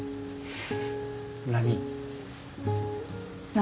何？